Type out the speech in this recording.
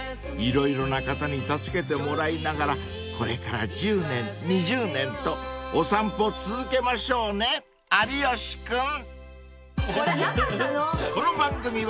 ［色々な方に助けてもらいながらこれから１０年２０年とお散歩続けましょうね有吉君］